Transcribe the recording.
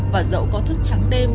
và dẫu có thức trắng đêm